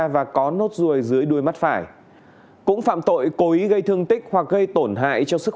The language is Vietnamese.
sáu mươi ba và có nốt ruồi dưới đuôi mắt phải cũng phạm tội cố ý gây thương tích hoặc gây tổn hại cho sức